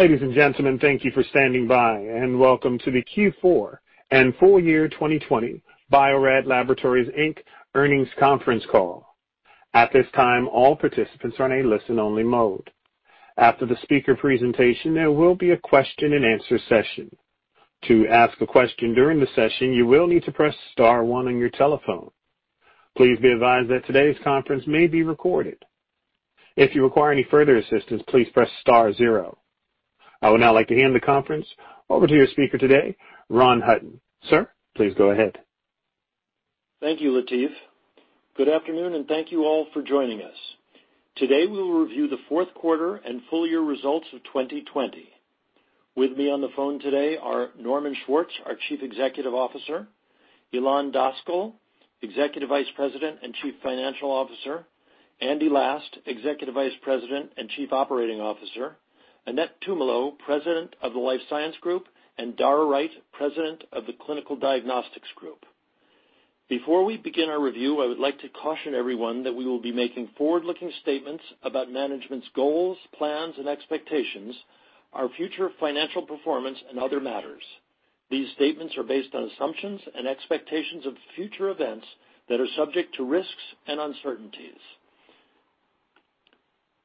Ladies and gentlemen, thank you for standing by, and welcome to the Q4 and Full Year 2020 Bio-Rad Laboratories, Inc. earnings conference call. At this time, all participants are on a listen-only mode. After the speaker presentation, there will be a question-and-answer session. To ask a question during the session, you will need to press star one on your telephone. Please be advised that today's conference may be recorded. If you require any further assistance, please press star zero. I would now like to hand the conference over to your speaker today, Ron Hutton. Sir, please go ahead. Thank you, Latif. Good afternoon, and thank you all for joining us. Today, we will review the fourth quarter and full year results of 2020. With me on the phone today are Norman Schwartz, our Chief Executive Officer, Ilan Daskal, Executive Vice President and Chief Financial Officer, Andy Last, Executive Vice President and Chief Operating Officer, Annette Tumolo, President of the Life Science Group, and Dara Wright, President of the Clinical Diagnostics Group. Before we begin our review, I would like to caution everyone that we will be making forward-looking statements about management's goals, plans, and expectations, our future financial performance, and other matters. These statements are based on assumptions and expectations of future events that are subject to risks and uncertainties.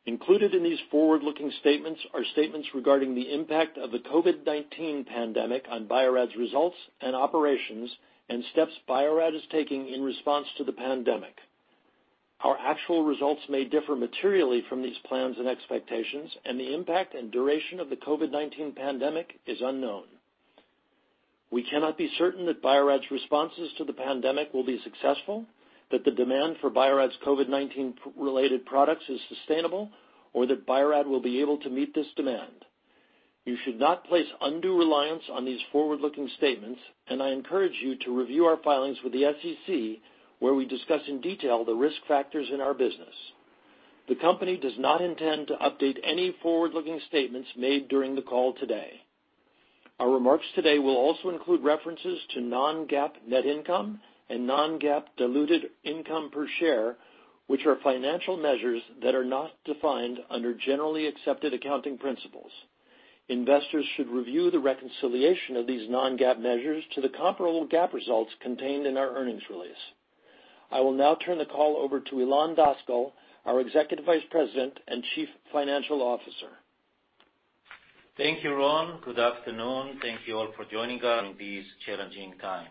Included in these forward-looking statements are statements regarding the impact of the COVID-19 pandemic on Bio-Rad's results and operations and steps Bio-Rad is taking in response to the pandemic. Our actual results may differ materially from these plans and expectations, and the impact and duration of the COVID-19 pandemic is unknown. We cannot be certain that Bio-Rad's responses to the pandemic will be successful, that the demand for Bio-Rad's COVID-19-related products is sustainable, or that Bio-Rad will be able to meet this demand. You should not place undue reliance on these forward-looking statements, and I encourage you to review our filings with the SEC, where we discuss in detail the risk factors in our business. The company does not intend to update any forward-looking statements made during the call today. Our remarks today will also include references to non-GAAP net income and non-GAAP diluted income per share, which are financial measures that are not defined under generally accepted accounting principles. Investors should review the reconciliation of these non-GAAP measures to the comparable GAAP results contained in our earnings release. I will now turn the call over to Ilan Daskal, our Executive Vice President and Chief Financial Officer. Thank you, Ron. Good afternoon. Thank you all for joining us in these challenging times.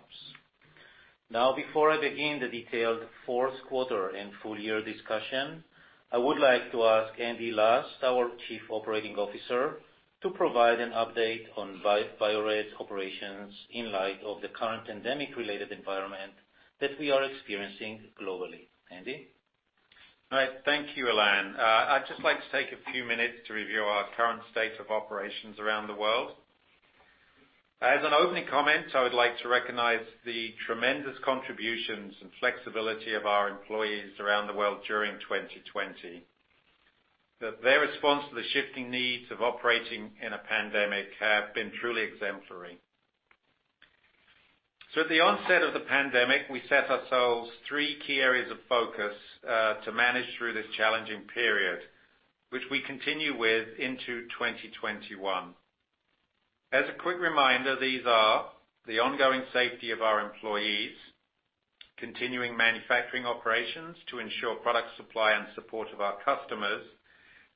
Now, before I begin the detailed fourth quarter and full year discussion, I would like to ask Andy Last, our Chief Operating Officer, to provide an update on Bio-Rad's operations in light of the current pandemic-related environment that we are experiencing globally. Andy? All right. Thank you, Ilan. I'd just like to take a few minutes to review our current state of operations around the world. As an opening comment, I would like to recognize the tremendous contributions and flexibility of our employees around the world during 2020. Their response to the shifting needs of operating in a pandemic has been truly exemplary. At the onset of the pandemic, we set ourselves three key areas of focus to manage through this challenging period, which we continue with into 2021. As a quick reminder, these are the ongoing safety of our employees, continuing manufacturing operations to ensure product supply and support of our customers,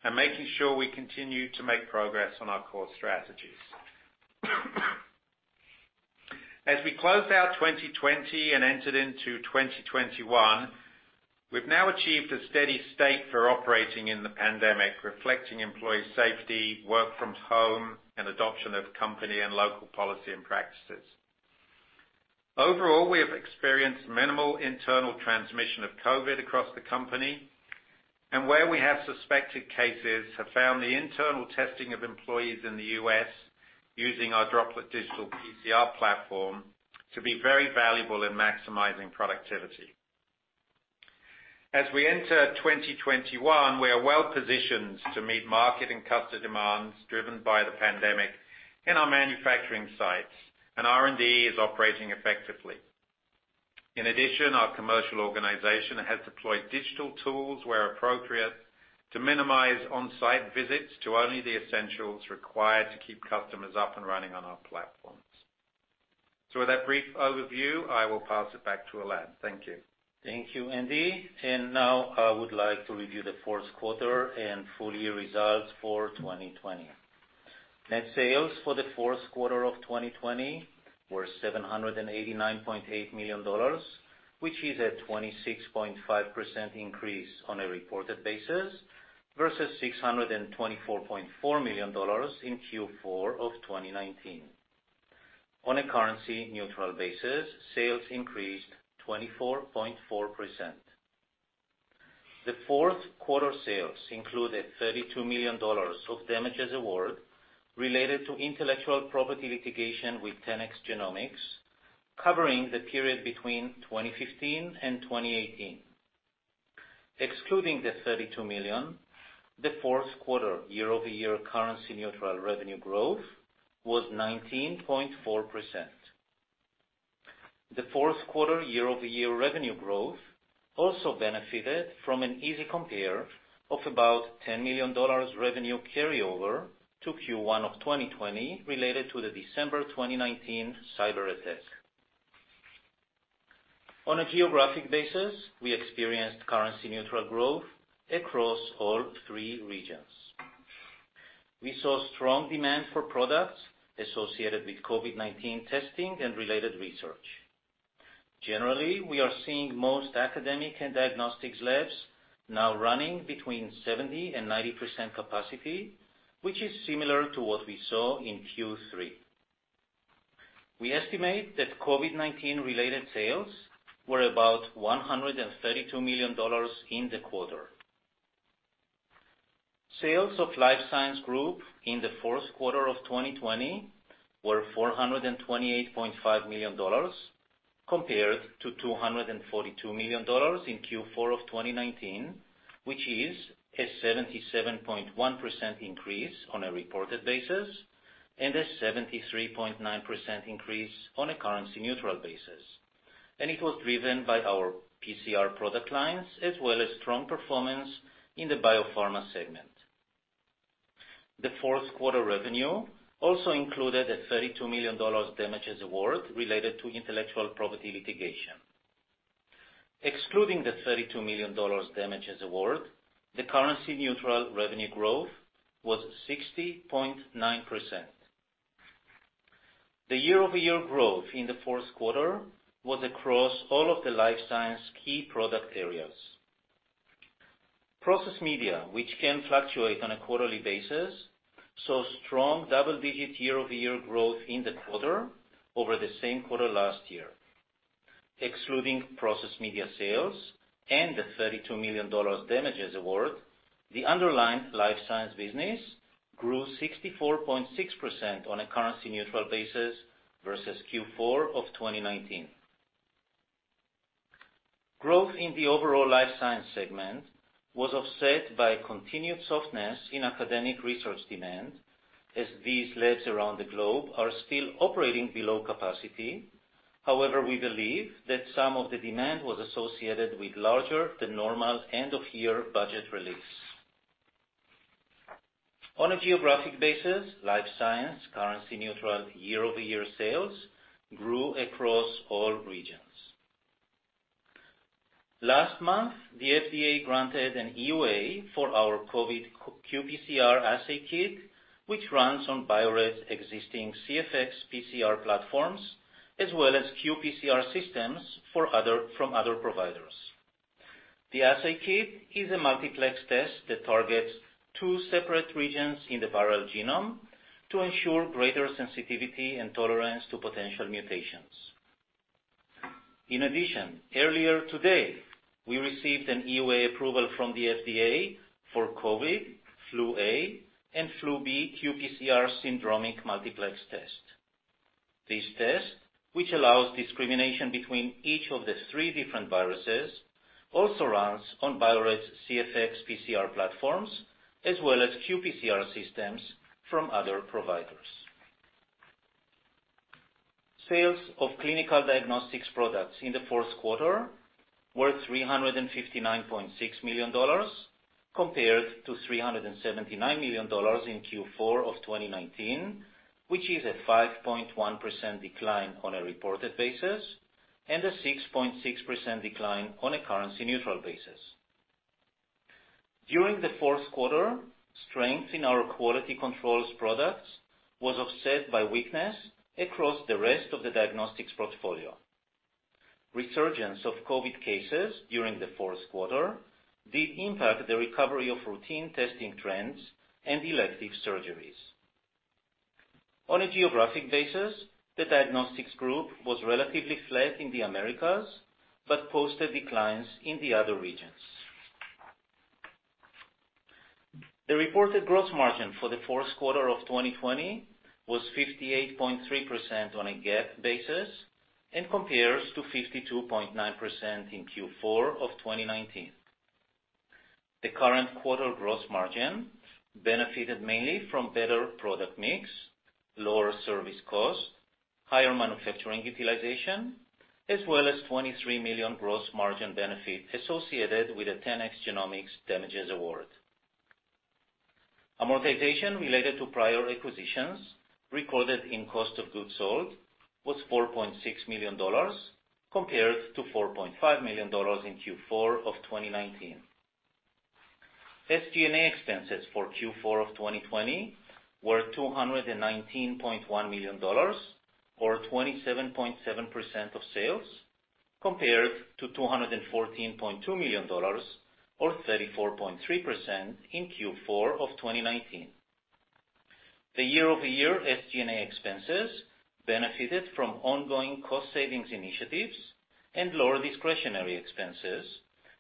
and making sure we continue to make progress on our core strategies. As we closed out 2020 and entered into 2021, we've now achieved a steady state for operating in the pandemic, reflecting employee safety, work from home, and adoption of company and local policy and practices. Overall, we have experienced minimal internal transmission of COVID across the company, and where we have suspected cases have found the internal testing of employees in the U.S. using our Droplet Digital PCR platform to be very valuable in maximizing productivity. As we enter 2021, we are well positioned to meet market and customer demands driven by the pandemic in our manufacturing sites, and R&D is operating effectively. In addition, our commercial organization has deployed digital tools where appropriate to minimize on-site visits to only the essentials required to keep customers up and running on our platforms. So, with that brief overview, I will pass it back to Ilan. Thank you. Thank you, Andy. Now, I would like to review the fourth quarter and full year results for 2020. Net sales for the fourth quarter of 2020 were $789.8 million, which is a 26.5% increase on a reported basis versus $624.4 million in Q4 of 2019. On a currency-neutral basis, sales increased 24.4%. The fourth quarter sales included $32 million of damages award related to intellectual property litigation with 10x Genomics, covering the period between 2015 and 2018. Excluding the $32 million, the fourth quarter year-over-year currency-neutral revenue growth was 19.4%. The fourth quarter year-over-year revenue growth also benefited from an easy compare of about $10 million revenue carryover to Q1 of 2020 related to the December 2019 cyber attack. On a geographic basis, we experienced currency-neutral growth across all three regions. We saw strong demand for products associated with COVID-19 testing and related research. Generally, we are seeing most academic and diagnostics labs now running between 70% and 90% capacity, which is similar to what we saw in Q3. We estimate that COVID-19-related sales were about $132 million in the quarter. Sales of Life Science Group in the fourth quarter of 2020 were $428.5 million compared to $242 million in Q4 of 2019, which is a 77.1% increase on a reported basis and a 73.9% increase on a currency-neutral basis. It was driven by our PCR product lines as well as strong performance in the biopharma segment. The fourth quarter revenue also included a $32 million damages award related to intellectual property litigation. Excluding the $32 million damages award, the currency-neutral revenue growth was 60.9%. The year-over-year growth in the fourth quarter was across all of the life science key product areas. Process media, which can fluctuate on a quarterly basis, saw strong double-digit year-over-year growth in the quarter over the same quarter last year. Excluding process media sales and the $32 million damages award, the underlying life science business grew 64.6% on a currency-neutral basis versus Q4 of 2019. Growth in the overall life science segment was offset by continued softness in academic research demand as these labs around the globe are still operating below capacity. However, we believe that some of the demand was associated with larger-than-normal end-of-year budget release. On a geographic basis, life science currency-neutral year-over-year sales grew across all regions. Last month, the FDA granted an EUA for our COVID qPCR assay kit, which runs on Bio-Rad's existing CFX PCR platforms as well as qPCR systems from other providers. The assay kit is a multiplex test that targets two separate regions in the viral genome to ensure greater sensitivity and tolerance to potential mutations. In addition, earlier today, we received an EUA approval from the FDA for COVID, flu A, and flu B qPCR syndromic multiplex test. These tests, which allow discrimination between each of the three different viruses, also run on Bio-Rad's CFX PCR platforms as well as qPCR systems from other providers. Sales of clinical diagnostics products in the fourth quarter were $359.6 million compared to $379 million in Q4 of 2019, which is a 5.1% decline on a reported basis and a 6.6% decline on a currency-neutral basis. During the fourth quarter, strength in our quality controls products was offset by weakness across the rest of the diagnostics portfolio. Resurgence of COVID cases during the fourth quarter did impact the recovery of routine testing trends and elective surgeries. On a geographic basis, the diagnostics group was relatively flat in the Americas but posted declines in the other regions. The reported gross margin for the fourth quarter of 2020 was 58.3% on a GAAP basis and compares to 52.9% in Q4 of 2019. The current quarter gross margin benefited mainly from better product mix, lower service cost, higher manufacturing utilization, as well as $23 million gross margin benefit associated with a 10x Genomics damages award. Amortization related to prior acquisitions recorded in cost of goods sold was $4.6 million compared to $4.5 million in Q4 of 2019. SG&A expenses for Q4 of 2020 were $219.1 million or 27.7% of sales compared to $214.2 million or 34.3% in Q4 of 2019. The year-over-year SG&A expenses benefited from ongoing cost savings initiatives and lower discretionary expenses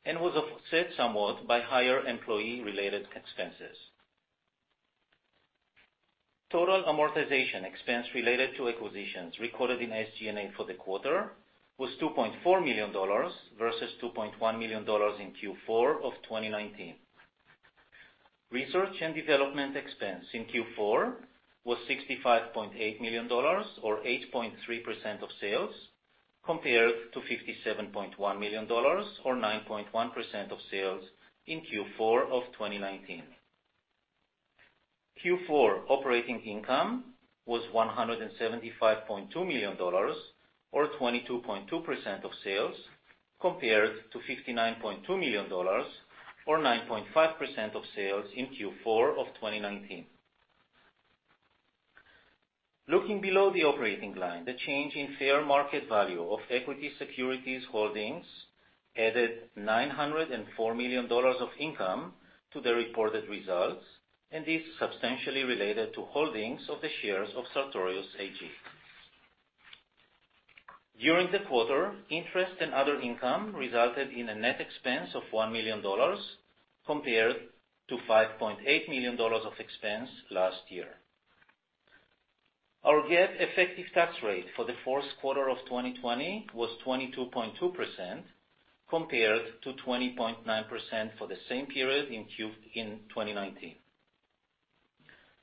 and was offset somewhat by higher employee-related expenses. Total amortization expense related to acquisitions recorded in SG&A for the quarter was $2.4 million versus $2.1 million in Q4 of 2019. Research and development expense in Q4 was $65.8 million or 8.3% of sales compared to $57.1 million or 9.1% of sales in Q4 of 2019. Q4 operating income was $175.2 million or 22.2% of sales compared to $59.2 million or 9.5% of sales in Q4 of 2019. Looking below the operating line, the change in fair market value of equity securities holdings added $904 million of income to the reported results, and this is substantially related to holdings of the shares of Sartorius AG. During the quarter, interest and other income resulted in a net expense of $1 million compared to $5.8 million of expense last year. Our GAAP effective tax rate for the fourth quarter of 2020 was 22.2% compared to 20.9% for the same period in 2019.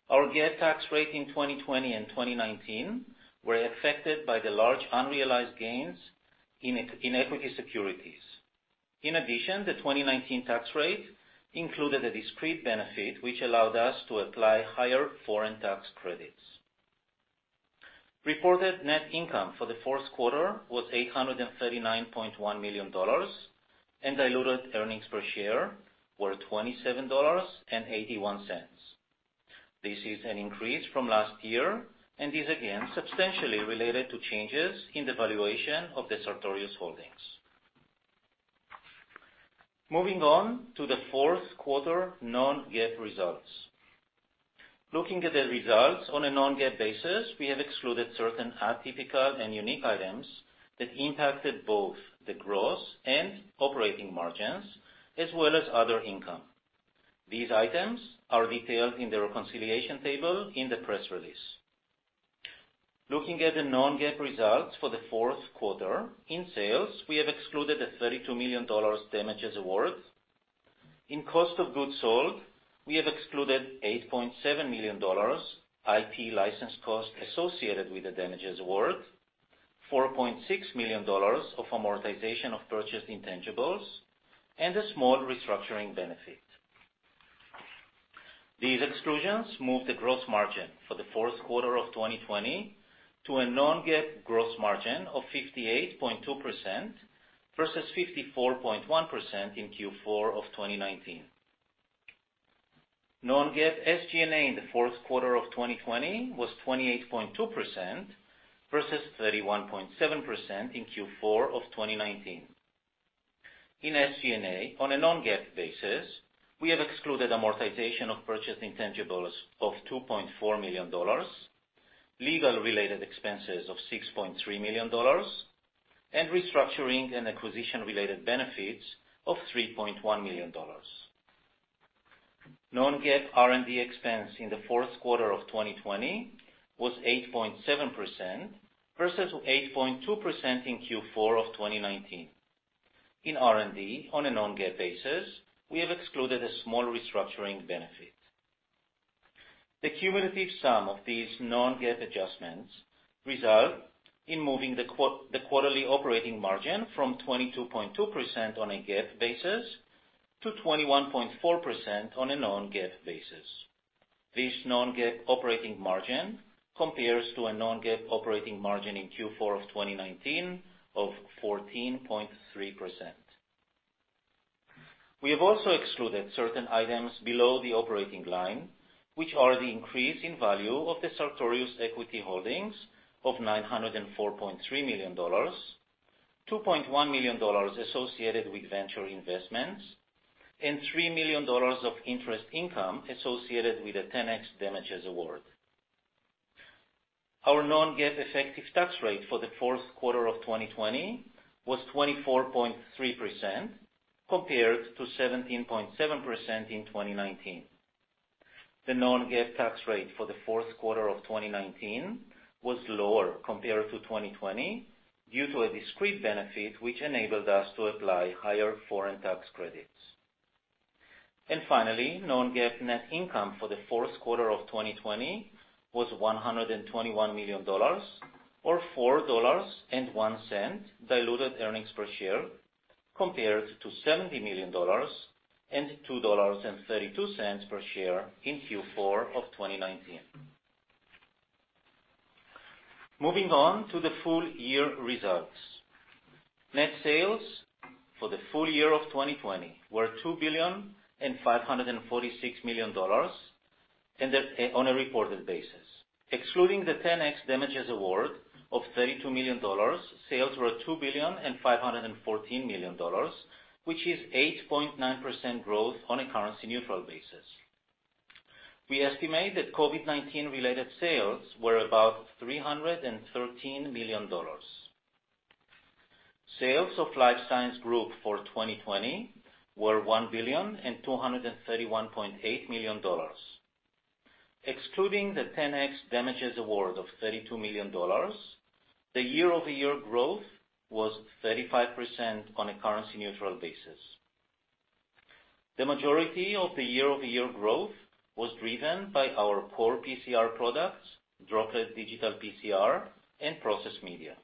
Our GAAP tax rate in 2020 and 2019 were affected by the large unrealized gains in equity securities. In addition, the 2019 tax rate included a discrete benefit which allowed us to apply higher foreign tax credits. Reported net income for the fourth quarter was $839.1 million, and diluted earnings per share were $27.81. This is an increase from last year, and is again substantially related to changes in the valuation of the Sartorius holdings. Moving on to the fourth quarter non-GAAP results. Looking at the results on a non-GAAP basis, we have excluded certain atypical and unique items that impacted both the gross and operating margins as well as other income. These items are detailed in the reconciliation table in the press release. Looking at the non-GAAP results for the fourth quarter, in sales, we have excluded the $32 million damages award. In cost of goods sold, we have excluded $8.7 million IP license cost associated with the damages award, $4.6 million of amortization of purchased intangibles, and a small restructuring benefit. These exclusions moved the gross margin for the fourth quarter of 2020 to a non-GAAP gross margin of 58.2% versus 54.1% in Q4 of 2019. Non-GAAP SG&A in the fourth quarter of 2020 was 28.2% versus 31.7% in Q4 of 2019. In SG&A, on a non-GAAP basis, we have excluded amortization of purchased intangibles of $2.4 million, legal-related expenses of $6.3 million, and restructuring and acquisition-related benefits of $3.1 million. Non-GAAP R&D expense in the fourth quarter of 2020 was 8.7% versus 8.2% in Q4 of 2019. In R&D, on a non-GAAP basis, we have excluded a small restructuring benefit. The cumulative sum of these non-GAAP adjustments resulted in moving the quarterly operating margin from 22.2% on a GAAP basis to 21.4% on a non-GAAP basis. This non-GAAP operating margin compares to a non-GAAP operating margin in Q4 of 2019 of 14.3%. We have also excluded certain items below the operating line, which are the increase in value of the Sartorius equity holdings of $904.3 million, $2.1 million associated with venture investments, and $3 million of interest income associated with a 10x damages award. Our non-GAAP effective tax rate for the fourth quarter of 2020 was 24.3% compared to 17.7% in 2019. The non-GAAP tax rate for the fourth quarter of 2019 was lower compared to 2020 due to a discrete benefit which enabled us to apply higher foreign tax credits. And finally, non-GAAP net income for the fourth quarter of 2020 was $121 million or $4.01 diluted earnings per share compared to $70 million and $2.32 per share in Q4 of 2019. Moving on to the full year results. Net sales for the full year of 2020 were $2.546 billion on a reported basis. Excluding the 10x damages award of $32 million, sales were $2.514 billion, which is 8.9% growth on a currency-neutral basis. We estimate that COVID-19-related sales were about $313 million. Sales of Life Science Group for 2020 were $1.2318 billion. Excluding the 10x damages award of $32 million, the year-over-year growth was 35% on a currency-neutral basis. The majority of the year-over-year growth was driven by our core PCR products, Droplet Digital PCR, and process media.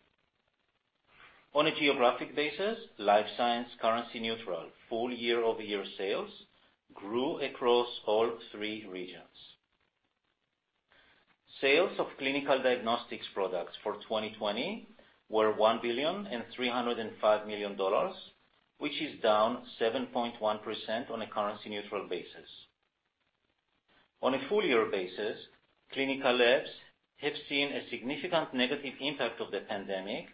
On a geographic basis, Life Science currency-neutral full year-over-year sales grew across all three regions. Sales of clinical diagnostics products for 2020 were $1.305 billion, which is down 7.1% on a currency-neutral basis. On a full year basis, clinical labs have seen a significant negative impact of the pandemic,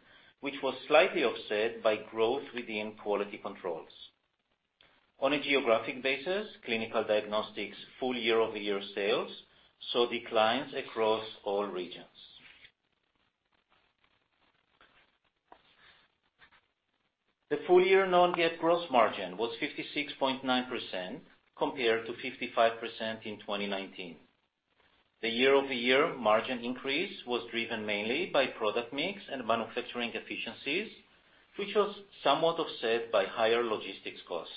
which was slightly offset by growth within quality controls. On a geographic basis, clinical diagnostics full year-over-year sales saw declines across all regions. The full year non-GAAP gross margin was 56.9% compared to 55% in 2019. The year-over-year margin increase was driven mainly by product mix and manufacturing efficiencies, which was somewhat offset by higher logistics cost.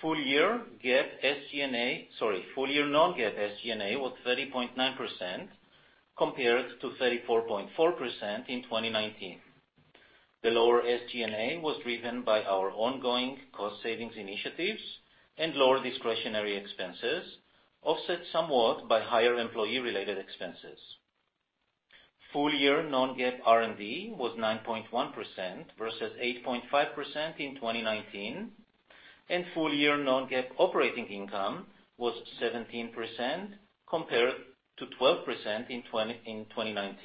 Full year non-GAAP SG&A was 30.9% compared to 34.4% in 2019. The lower SG&A was driven by our ongoing cost savings initiatives and lower discretionary expenses, offset somewhat by higher employee-related expenses. Full year non-GAAP R&D was 9.1% versus 8.5% in 2019, and full year non-GAAP operating income was 17% compared to 12% in 2019.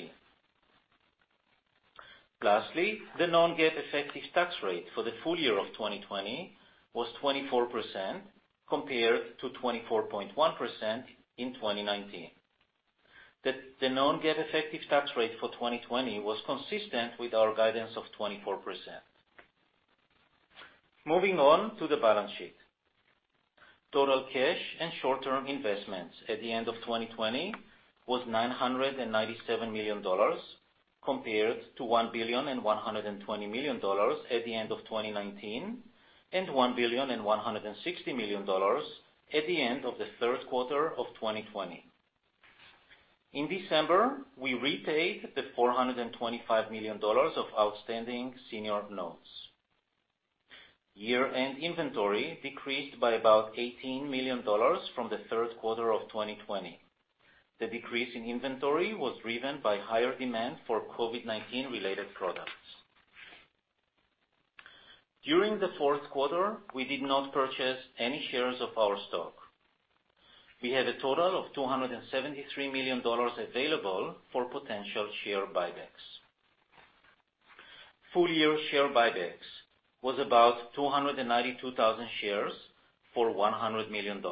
Lastly, the non-GAAP effective tax rate for the full year of 2020 was 24% compared to 24.1% in 2019. The non-GAAP effective tax rate for 2020 was consistent with our guidance of 24%. Moving on to the balance sheet. Total cash and short-term investments at the end of 2020 was $997 million compared to $1.120 billion at the end of 2019 and $1.160 billion at the end of the third quarter of 2020. In December, we repaid the $425 million of outstanding senior notes. Year-end inventory decreased by about $18 million from the third quarter of 2020. The decrease in inventory was driven by higher demand for COVID-19-related products. During the fourth quarter, we did not purchase any shares of our stock. We had a total of $273 million available for potential share buybacks. Full year share buybacks was about 292,000 shares for $100 million.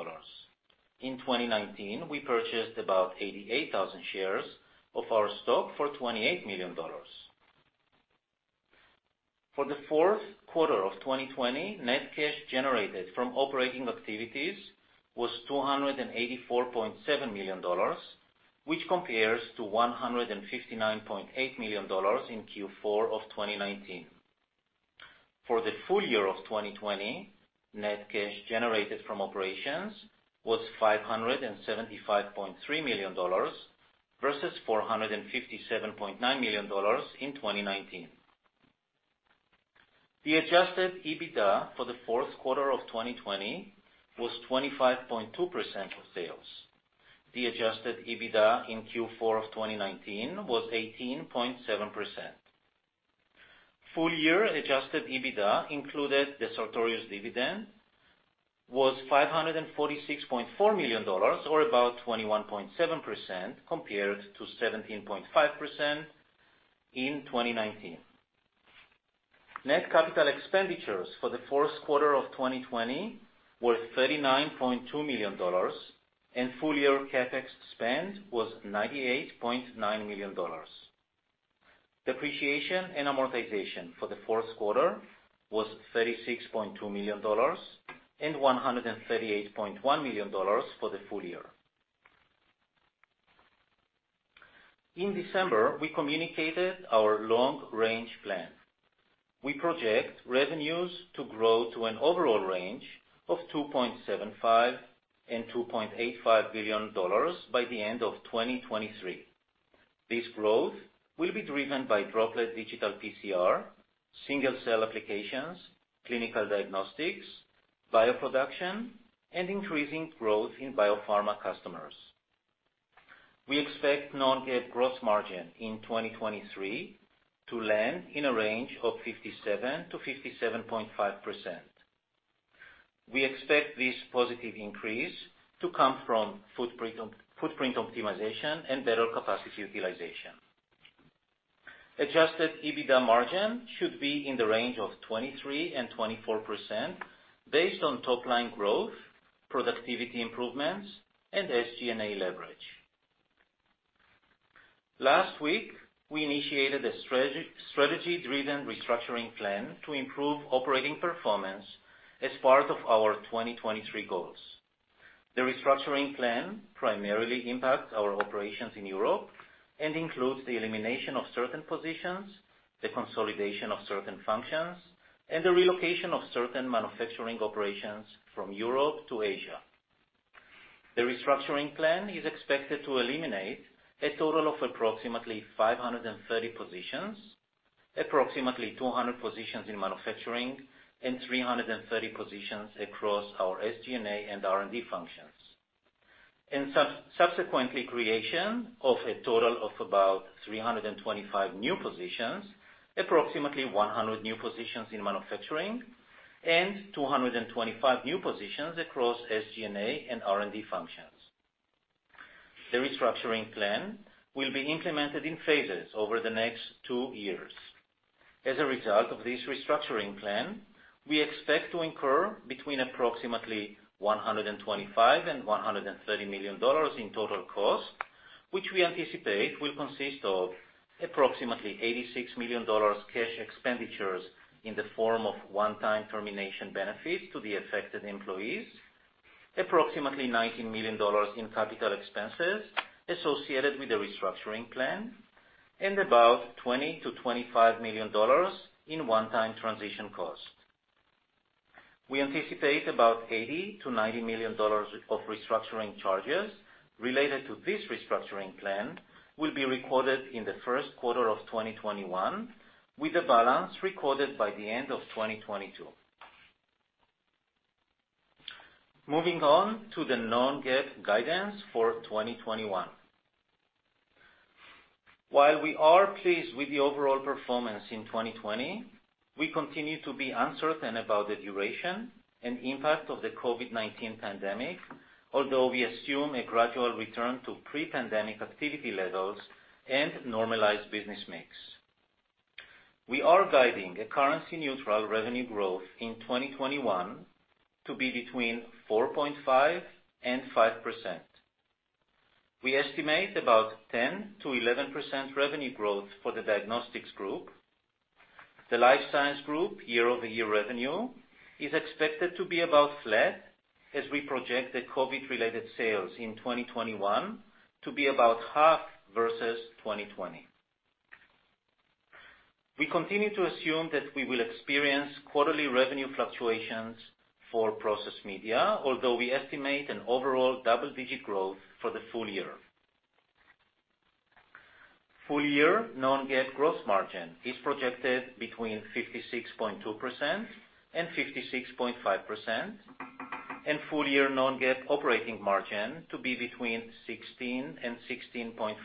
In 2019, we purchased about 88,000 shares of our stock for $28 million. For the fourth quarter of 2020, net cash generated from operating activities was $284.7 million, which compares to $159.8 million in Q4 of 2019. For the full year of 2020, net cash generated from operations was $575.3 million versus $457.9 million in 2019. The Adjusted EBITDA for the fourth quarter of 2020 was 25.2% of sales. The Adjusted EBITDA in Q4 of 2019 was 18.7%. Full year adjusted EBITDA included the Sartorius dividend was $546.4 million or about 21.7% compared to 17.5% in 2019. Net capital expenditures for the fourth quarter of 2020 were $39.2 million, and full year CapEx spend was $98.9 million. Depreciation and amortization for the fourth quarter was $36.2 million and $138.1 million for the full year. In December, we communicated our long-range plan. We project revenues to grow to an overall range of $2.75-$2.85 billion by the end of 2023. This growth will be driven by Droplet Digital PCR, single-cell applications, clinical diagnostics, bioproduction, and increasing growth in biopharma customers. We expect non-GAAP gross margin in 2023 to land in a range of 57%-57.5%. We expect this positive increase to come from footprint optimization and better capacity utilization. Adjusted EBITDA margin should be in the range of 23% and 24% based on top-line growth, productivity improvements, and SG&A leverage. Last week, we initiated a strategy-driven restructuring plan to improve operating performance as part of our 2023 goals. The restructuring plan primarily impacts our operations in Europe and includes the elimination of certain positions, the consolidation of certain functions, and the relocation of certain manufacturing operations from Europe to Asia. The restructuring plan is expected to eliminate a total of approximately 530 positions, approximately 200 positions in manufacturing, and 330 positions across our SG&A and R&D functions, and subsequently creation of a total of about 325 new positions, approximately 100 new positions in manufacturing, and 225 new positions across SG&A and R&D functions. The restructuring plan will be implemented in phases over the next two years. As a result of this restructuring plan, we expect to incur between approximately $125 and $130 million in total cost, which we anticipate will consist of approximately $86 million cash expenditures in the form of one-time termination benefits to the affected employees, approximately $19 million in capital expenses associated with the restructuring plan, and about $20-$25 million in one-time transition cost. We anticipate about $80-$90 million of restructuring charges related to this restructuring plan will be recorded in the first quarter of 2021, with the balance recorded by the end of 2022. Moving on to the non-GAAP guidance for 2021. While we are pleased with the overall performance in 2020, we continue to be uncertain about the duration and impact of the COVID-19 pandemic, although we assume a gradual return to pre-pandemic activity levels and normalized business mix. We are guiding a currency-neutral revenue growth in 2021 to be between 4.5% and 5%. We estimate about 10%-11% revenue growth for the diagnostics group. The Life Science Group year-over-year revenue is expected to be about flat, as we project the COVID-related sales in 2021 to be about half versus 2020. We continue to assume that we will experience quarterly revenue fluctuations for process media, although we estimate an overall double-digit growth for the full year. Full year non-GAAP gross margin is projected between 56.2% and 56.5%, and full year non-GAAP operating margin to be between 16% and 16.5%.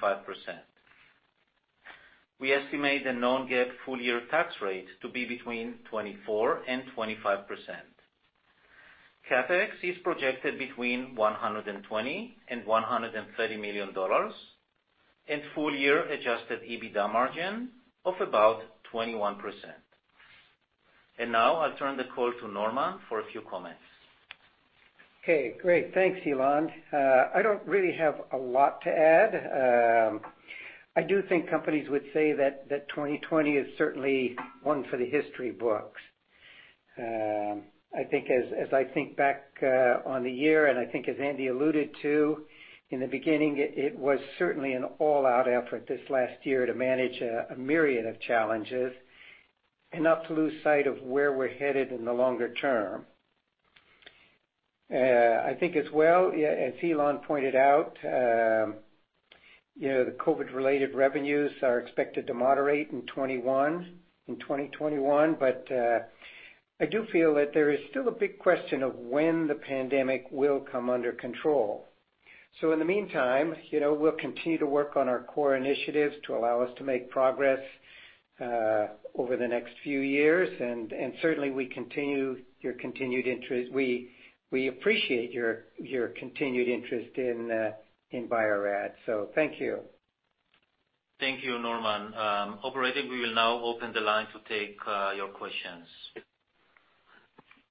We estimate the non-GAAP full year tax rate to be between 24% and 25%. CapEx is projected between $120 and $130 million, and full year Adjusted EBITDA margin of about 21%. And now I'll turn the call to Norman for a few comments. Okay. Great. Thanks, Ilan. I don't really have a lot to add. I do think companies would say that 2020 is certainly one for the history books. I think as I think back on the year, and I think as Andy alluded to in the beginning, it was certainly an all-out effort this last year to manage a myriad of challenges, enough to lose sight of where we're headed in the longer term. I think as well, as Ilan pointed out, the COVID-related revenues are expected to moderate in 2021, but I do feel that there is still a big question of when the pandemic will come under control. So in the meantime, we'll continue to work on our core initiatives to allow us to make progress over the next few years. And certainly, we appreciate your continued interest in Bio-Rad. So thank you. Thank you, Norman. Operator, we will now open the line to take your questions.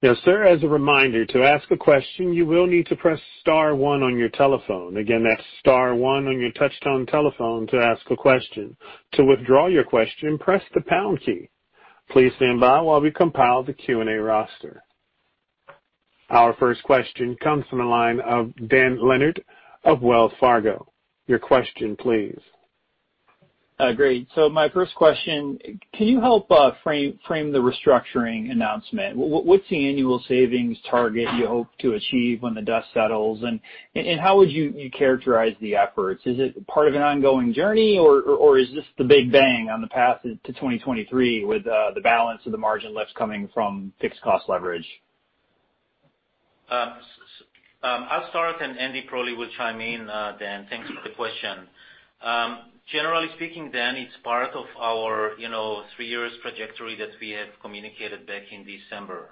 Yes, sir. As a reminder, to ask a question, you will need to press star one on your telephone. Again, that's star one on your touch-tone telephone to ask a question. To withdraw your question, press the pound key. Please stand by while we compile the Q&A roster. Our first question comes from the line of Dan Leonard of Wells Fargo. Your question, please. Great. So, my first question: can you help frame the restructuring announcement? What's the annual savings target you hope to achieve when the dust settles, and how would you characterize the efforts? Is it part of an ongoing journey, or is this the big bang on the path to 2023 with the balance of the margin left coming from fixed cost leverage? I'll start, and Andy probably will chime in, Dan. Thanks for the question. Generally speaking, Dan, it's part of our three-year trajectory that we have communicated back in December.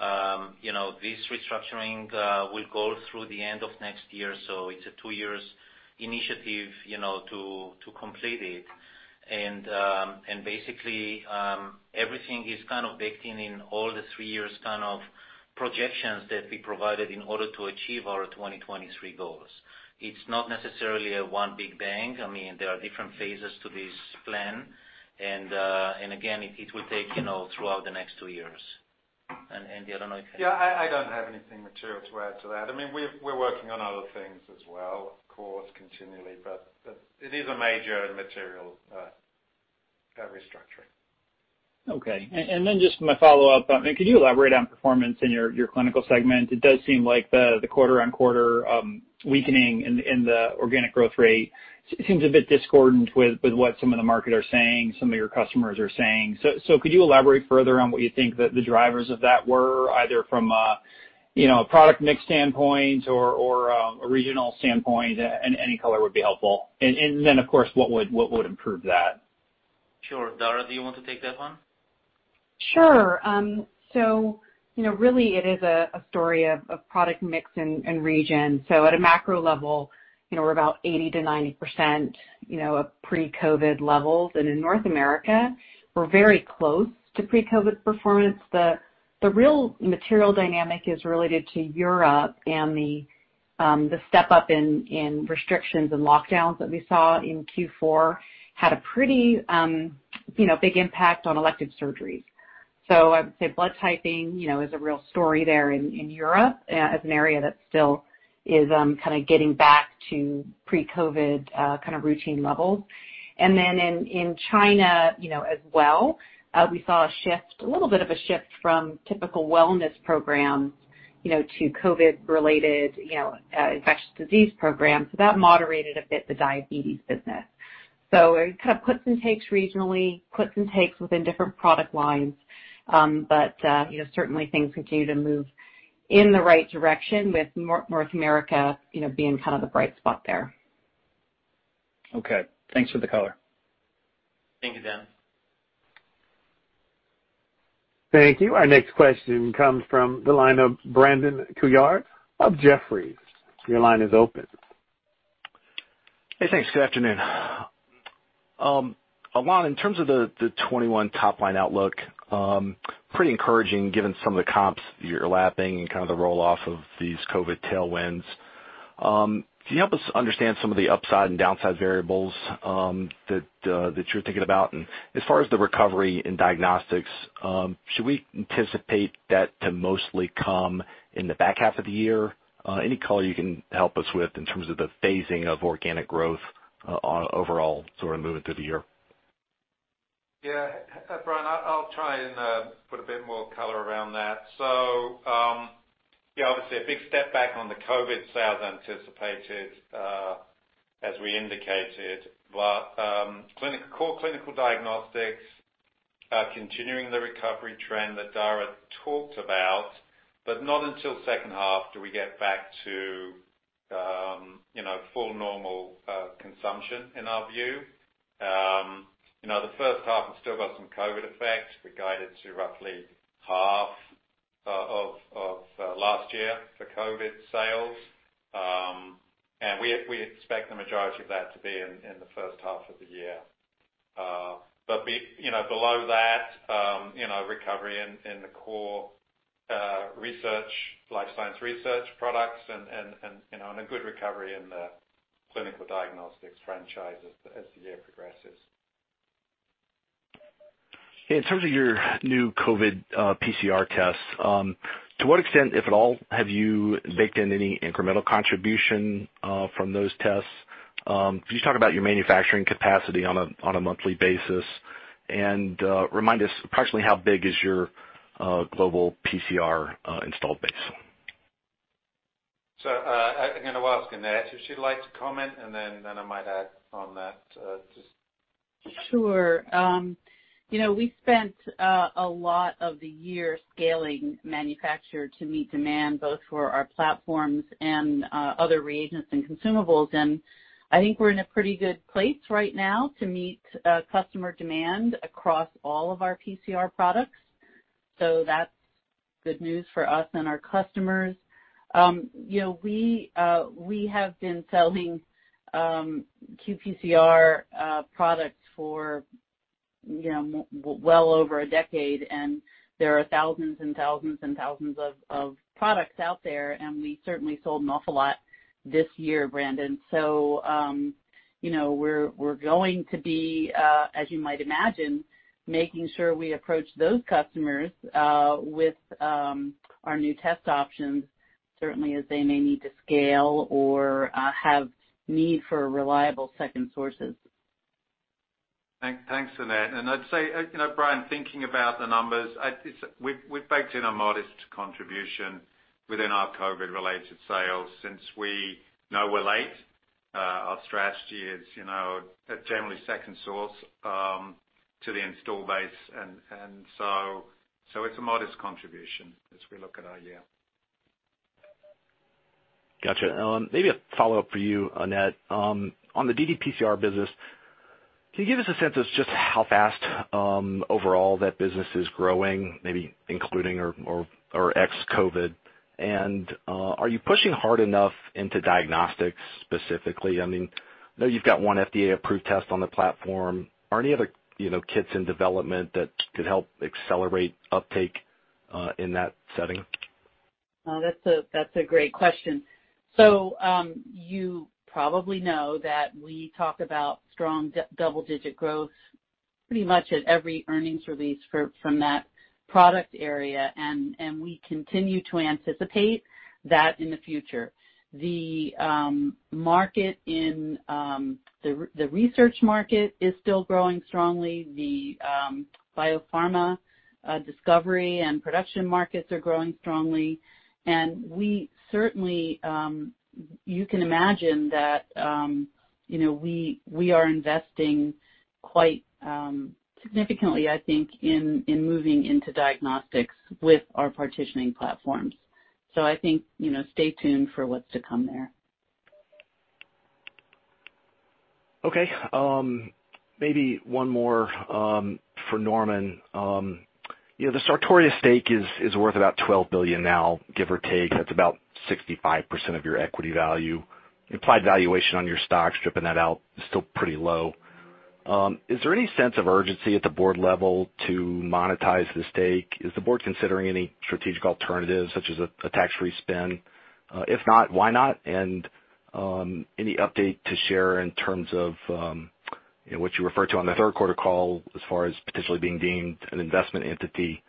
This restructuring will go through the end of next year, so it's a two-year initiative to complete it, and basically, everything is kind of baked in all the three-year kind of projections that we provided in order to achieve our 2023 goals. It's not necessarily a one big bang. I mean, there are different phases to this plan, and again, it will take throughout the next two years. Andy, I don't know if. Yeah. I don't have anything material to add to that. I mean, we're working on other things as well, of course, continually, but it is a major and material restructuring. Okay. And then just my follow-up. I mean, could you elaborate on performance in your clinical segment? It does seem like the quarter-on-quarter weakening in the organic growth rate seems a bit discordant with what some of the market are saying, some of your customers are saying. So could you elaborate further on what you think the drivers of that were, either from a product mix standpoint or a regional standpoint? Any color would be helpful. And then, of course, what would improve that? Sure. Dara, do you want to take that one? Sure. So really, it is a story of product mix and region. So at a macro level, we're about 80%-90% of pre-COVID levels. And in North America, we're very close to pre-COVID performance. The real material dynamic is related to Europe, and the step-up in restrictions and lockdowns that we saw in Q4 had a pretty big impact on elective surgeries. So I would say blood typing is a real story there in Europe as an area that still is kind of getting back to pre-COVID kind of routine levels. And then in China as well, we saw a shift, a little bit of a shift from typical wellness programs to COVID-related infectious disease programs. So that moderated a bit the diabetes business. So it kind of puts and takes regionally, puts and takes within different product lines. But certainly, things continue to move in the right direction with North America being kind of the bright spot there. Okay. Thanks for the color. Thank you, Dan. Thank you. Our next question comes from the line of Brandon Couillard of Jefferies. Your line is open. Hey, thanks. Good afternoon. Ilan, in terms of the 2021 top-line outlook, pretty encouraging given some of the comps you're lapping and kind of the roll-off of these COVID tailwinds. Can you help us understand some of the upside and downside variables that you're thinking about? And as far as the recovery in diagnostics, should we anticipate that to mostly come in the back half of the year? Any color you can help us with in terms of the phasing of organic growth overall sort of moving through the year? Yeah. Brandon, I'll try and put a bit more color around that. So yeah, obviously, a big step back on the COVID sales anticipated as we indicated, but core clinical diagnostics are continuing the recovery trend that Dara talked about, but not until second half do we get back to full normal consumption in our view. The first half has still got some COVID effect. We're guided to roughly half of last year for COVID sales. And we expect the majority of that to be in the first half of the year. But below that, recovery in the core research, life science research products, and a good recovery in the clinical diagnostics franchise as the year progresses. In terms of your new COVID PCR tests, to what extent, if at all, have you baked in any incremental contribution from those tests? Could you talk about your manufacturing capacity on a monthly basis and remind us approximately how big is your global PCR installed base? So I'm going to ask Annette if she'd like to comment, and then I might add on that. Sure. We spent a lot of the year scaling manufacture to meet demand both for our platforms and other reagents and consumables. And I think we're in a pretty good place right now to meet customer demand across all of our PCR products. So that's good news for us and our customers. We have been selling qPCR products for well over a decade, and there are thousands and thousands and thousands of products out there. And we certainly sold an awful lot this year, Brandon. So we're going to be, as you might imagine, making sure we approach those customers with our new test options, certainly as they may need to scale or have need for reliable second sources. Thanks, Annette. And I'd say, Brandon, thinking about the numbers, we've baked in a modest contribution within our COVID-related sales since we know we're late. Our strategy is generally second source to the install base. And so it's a modest contribution as we look at our year. Gotcha. Maybe a follow-up for you, Annette. On the ddPCR business, can you give us a sense of just how fast overall that business is growing, maybe including or ex-COVID? And are you pushing hard enough into diagnostics specifically? I mean, I know you've got one FDA-approved test on the platform. Are any other kits in development that could help accelerate uptake in that setting? That's a great question, so you probably know that we talk about strong double-digit growth pretty much at every earnings release from that product area, and we continue to anticipate that in the future. The market in the research market is still growing strongly. The biopharma discovery and production markets are growing strongly, and certainly, you can imagine that we are investing quite significantly, I think, in moving into diagnostics with our partitioning platforms, so I think stay tuned for what's to come there. Okay. Maybe one more for Norman. The Sartorius stake is worth about $12 billion now, give or take. That's about 65% of your equity value. Implied valuation on your stocks, stripping that out, is still pretty low. Is there any sense of urgency at the board level to monetize the stake? Is the board considering any strategic alternatives such as a tax-free spin? If not, why not? And any update to share in terms of what you referred to on the third-quarter call as far as potentially being deemed an investment entity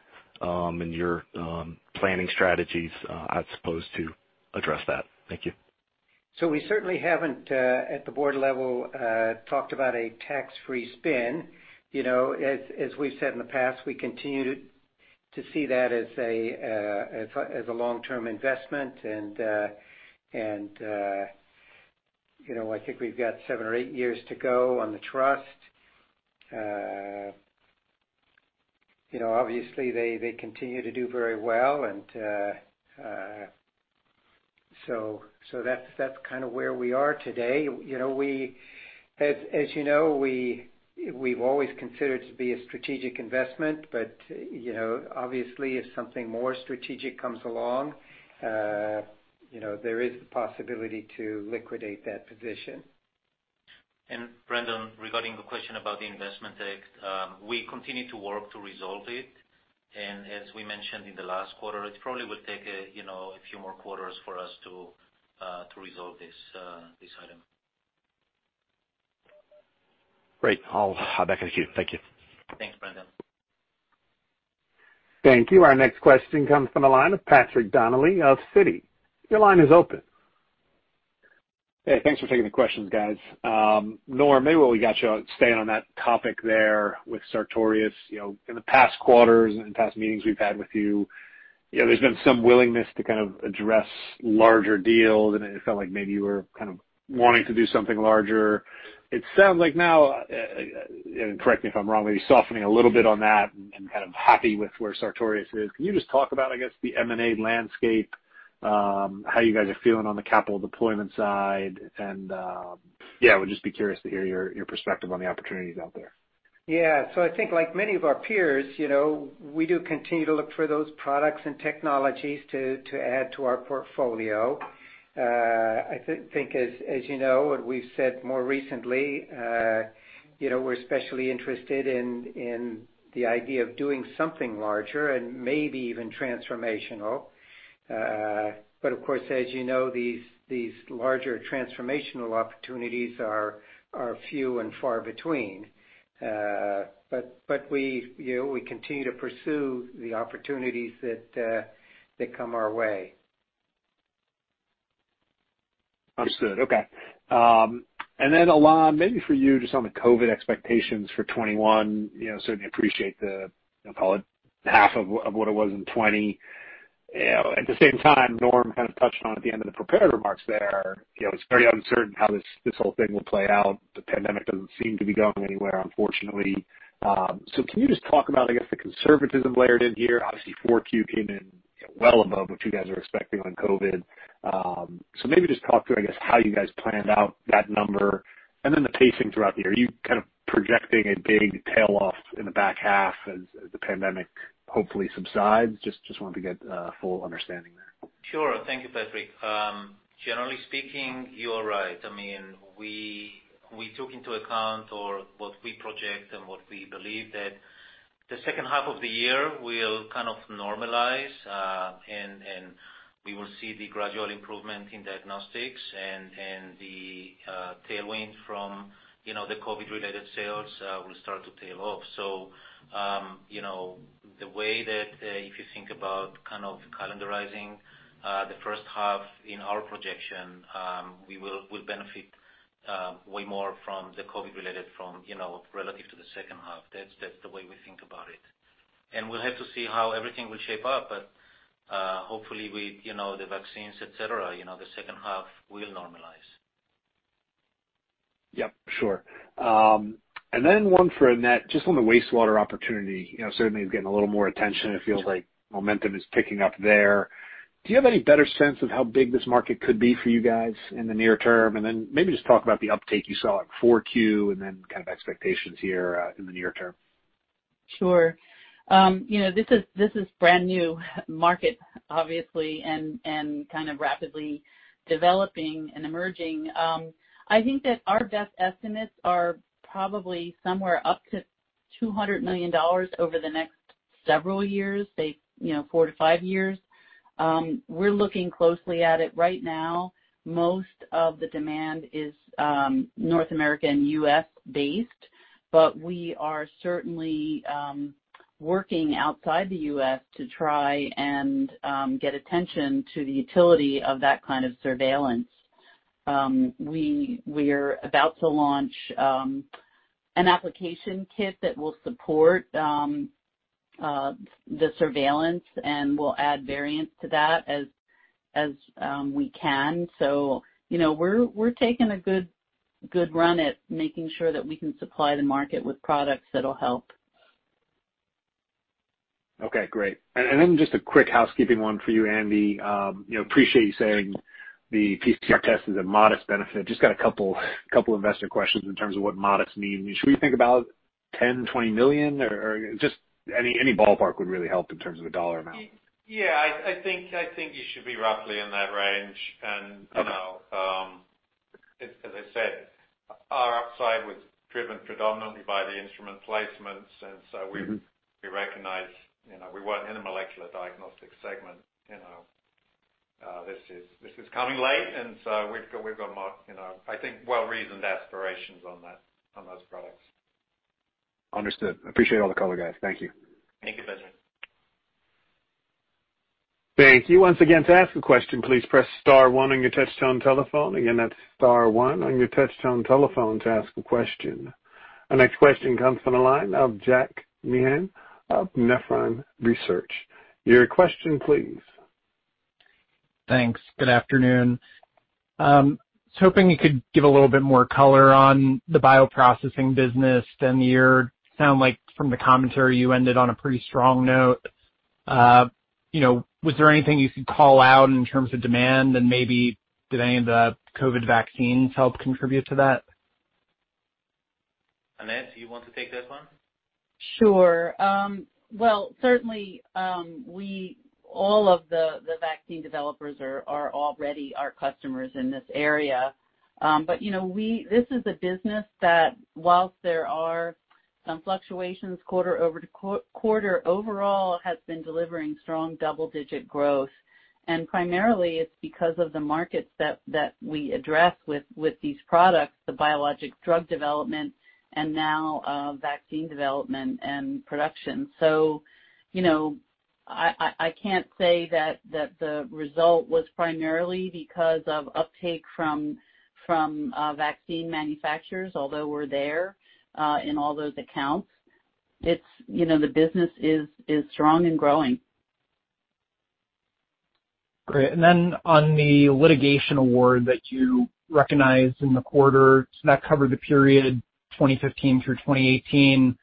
in your planning strategies as opposed to address that? Thank you. We certainly haven't, at the board level, talked about a tax-free spend. As we've said in the past, we continue to see that as a long-term investment. And I think we've got seven or eight years to go on the trust. Obviously, they continue to do very well. And so that's kind of where we are today. As you know, we've always considered it to be a strategic investment, but obviously, if something more strategic comes along, there is the possibility to liquidate that position. And Brandon, regarding the question about the investment, we continue to work to resolve it. And as we mentioned in the last quarter, it probably will take a few more quarters for us to resolve this item. Great. I'll hop back in with you. Thank you. Thanks, Brandon. Thank you. Our next question comes from the line of Patrick Donnelly of Citi. Your line is open. Hey, thanks for taking the questions, guys. Norman, maybe what we got you staying on that topic there with Sartorius is in the past quarters and past meetings we've had with you, there's been some willingness to kind of address larger deals, and it felt like maybe you were kind of wanting to do something larger. It sounds like now, and correct me if I'm wrong, maybe softening a little bit on that and kind of happy with where Sartorius is. Can you just talk about, I guess, the M&A landscape, how you guys are feeling on the capital deployment side? And yeah, I would just be curious to hear your perspective on the opportunities out there. Yeah. So I think like many of our peers, we do continue to look for those products and technologies to add to our portfolio. I think, as you know, and we've said more recently, we're especially interested in the idea of doing something larger and maybe even transformational. But of course, as you know, these larger transformational opportunities are few and far between. But we continue to pursue the opportunities that come our way. Understood. Okay. And then, Ilan, maybe for you to sum up some of the COVID expectations for 2021, certainly appreciate the, call it, half of what it was in 2020. At the same time, Norm kind of touched on at the end of the prepared remarks there. It's very uncertain how this whole thing will play out. The pandemic doesn't seem to be going anywhere, unfortunately. So can you just talk about, I guess, the conservatism layered in here? Obviously, 4Q came in well above what you guys were expecting on COVID. So maybe just talk through, I guess, how you guys planned out that number and then the pacing throughout the year. Are you kind of projecting a big tail off in the back half as the pandemic hopefully subsides? Just wanted to get a full understanding there. Sure. Thank you, Patrick. Generally speaking, you're right. I mean, we took into account what we project and what we believe that the second half of the year will kind of normalize, and we will see the gradual improvement in diagnostics and the tailwind from the COVID-related sales will start to tail off. So the way that if you think about kind of calendarizing the first half in our projection, we will benefit way more from the COVID-related relative to the second half. That's the way we think about it. And we'll have to see how everything will shape up. But hopefully, with the vaccines, etc., the second half will normalize. Yep. Sure. And then one for Annette, just on the wastewater opportunity. Certainly, it's getting a little more attention. It feels like momentum is picking up there. Do you have any better sense of how big this market could be for you guys in the near term? And then maybe just talk about the uptake you saw at 4Q and then kind of expectations here in the near term. Sure. This is a brand new market, obviously, and kind of rapidly developing and emerging. I think that our best estimates are probably somewhere up to $200 million over the next several years, say four to five years. We're looking closely at it right now. Most of the demand is North America and U.S.-based, but we are certainly working outside the U.S. to try and get attention to the utility of that kind of surveillance. We are about to launch an application kit that will support the surveillance, and we'll add variants to that as we can. So we're taking a good run at making sure that we can supply the market with products that'll help. Okay. Great. And then just a quick housekeeping one for you, Andy. Appreciate you saying the PCR test is a modest benefit. Just got a couple of investor questions in terms of what modest means. Should we think about $10 million, $20 million, or just any ballpark would really help in terms of the dollar amount? Yeah. I think you should be roughly in that range. And as I said, our upside was driven predominantly by the instrument placements. And so we recognize we weren't in a molecular diagnostic segment. This is coming late, and so we've got more, I think, well-reasoned aspirations on those products. Understood. Appreciate all the color, guys. Thank you. Thank you, Brandon. Thank you. Once again, to ask a question, please press star one on your touch-tone telephone. Again, that's star one on your touch-tone telephone to ask a question. Our next question comes from the line of Jack Meehan of Nephron Research. Your question, please. Thanks. Good afternoon. I was hoping you could give a little bit more color on the bioprocessing business for the year. Sounds like from the commentary, you ended on a pretty strong note. Was there anything you could call out in terms of demand, and maybe did any of the COVID vaccines help contribute to that? Annette, do you want to take that one? Sure. Well, certainly, all of the vaccine developers are already our customers in this area. But this is a business that, while there are some fluctuations quarter over to quarter, overall has been delivering strong double-digit growth. And primarily, it's because of the markets that we address with these products, the biologic drug development, and now vaccine development and production. So I can't say that the result was primarily because of uptake from vaccine manufacturers, although we're there in all those accounts. The business is strong and growing. Great. And then on the litigation award that you recognized in the quarter, does that cover the period 2015 through 2018?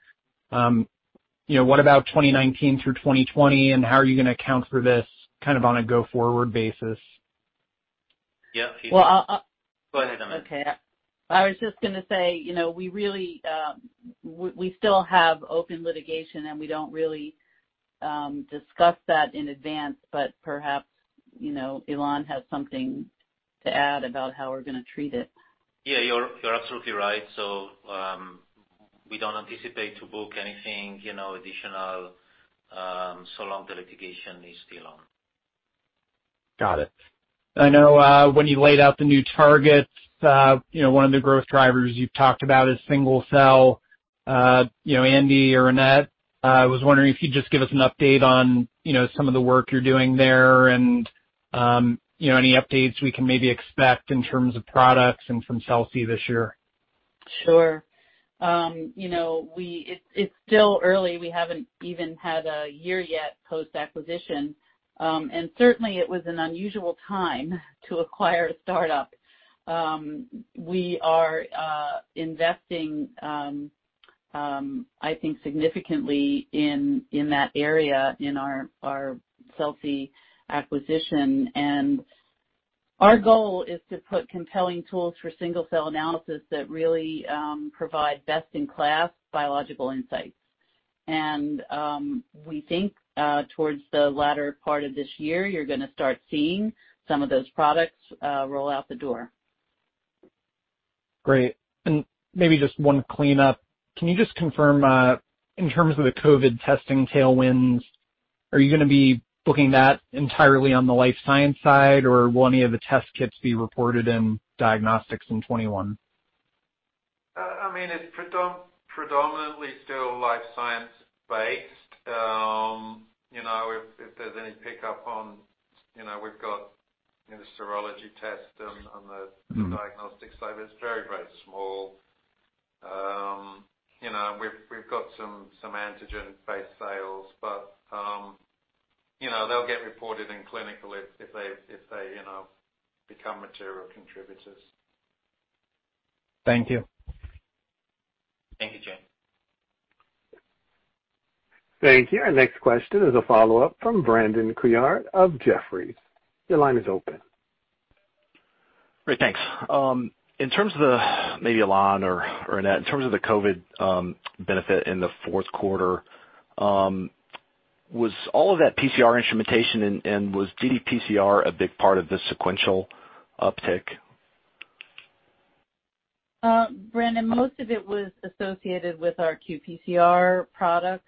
What about 2019 through 2020, and how are you going to account for this kind of on a go-forward basis? Yep. Well. Go ahead, Annette. Okay. I was just going to say we still have open litigation, and we don't really discuss that in advance, but perhaps Ilan has something to add about how we're going to treat it. Yeah. You're absolutely right. So we don't anticipate to book anything additional so long as the litigation is still on. Got it. I know when you laid out the new targets, one of the growth drivers you've talked about is single-cell. Andy or Annette, I was wondering if you'd just give us an update on some of the work you're doing there and any updates we can maybe expect in terms of products and from Celsee this year? Sure. It's still early. We haven't even had a year yet post-acquisition. And certainly, it was an unusual time to acquire a startup. We are investing, I think, significantly in that area in our Celsee acquisition. And our goal is to put compelling tools for single-cell analysis that really provide best-in-class biological insights. And we think towards the latter part of this year, you're going to start seeing some of those products roll out the door. Great. And maybe just one clean-up. Can you just confirm in terms of the COVID testing tailwinds, are you going to be booking that entirely on the life science side, or will any of the test kits be reported in diagnostics in 2021? I mean, it's predominantly still life science-based. If there's any pickup, we've got the serology test on the diagnostic side. It's very, very small. We've got some antigen-based sales, but they'll get reported in clinical if they become material contributors. Thank you. Thank you, Jack. Thank you. Our next question is a follow-up from Brandon Couillard of Jefferies. Your line is open. Great. Thanks. In terms of to Ilan or Annette, in terms of the COVID benefit in the fourth quarter, was all of that PCR instrumentation and was ddPCR a big part of the sequential uptick? Brandon, most of it was associated with our qPCR products.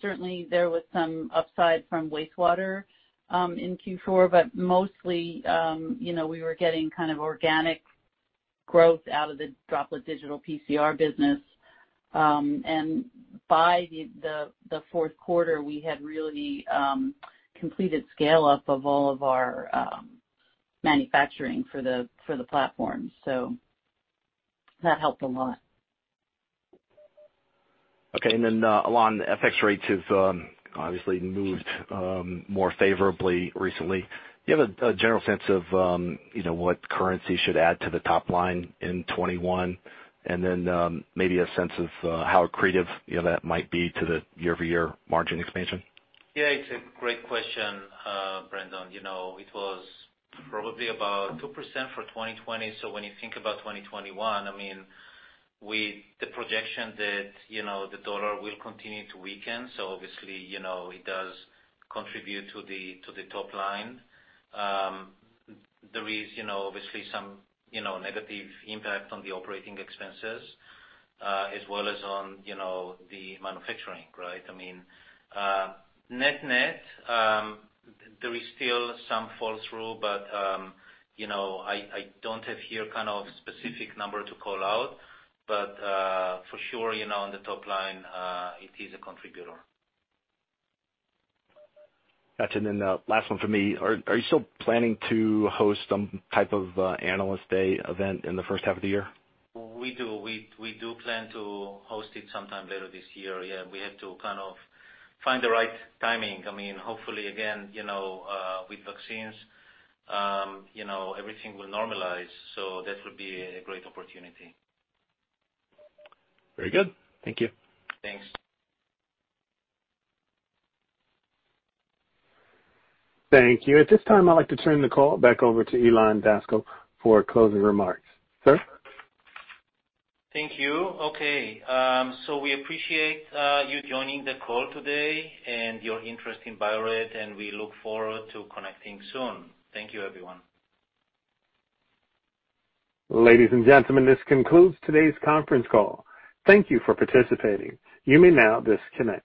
Certainly, there was some upside from wastewater in Q4, but mostly we were getting kind of organic growth out of the droplet digital PCR business. And by the fourth quarter, we had really completed scale-up of all of our manufacturing for the platform. So that helped a lot. Okay. And then Ilan, the FX rate has obviously moved more favorably recently. Do you have a general sense of what currency should add to the top line in 2021, and then maybe a sense of how accretive that might be to the year-over-year margin expansion? Yeah. It's a great question, Brandon. It was probably about 2% for 2020. So when you think about 2021, I mean, with the projection that the dollar will continue to weaken, so obviously, it does contribute to the top line. There is obviously some negative impact on the operating expenses as well as on the manufacturing, right? I mean, net-net, there is still some fall-through, but I don't have here kind of specific number to call out. But for sure, on the top line, it is a contributor. Gotcha. And then the last one for me, are you still planning to host some type of analyst day event in the first half of the year? We do. We do plan to host it sometime later this year. Yeah. We have to kind of find the right timing. I mean, hopefully, again, with vaccines, everything will normalize. So that would be a great opportunity. Very good. Thank you. Thanks. Thank you. At this time, I'd like to turn the call back over to Ilan Daskal for closing remarks. Sir? Thank you. Okay, so we appreciate you joining the call today and your interest in Bio-Rad, and we look forward to connecting soon. Thank you, everyone. Ladies and gentlemen, this concludes today's conference call. Thank you for participating. You may now disconnect.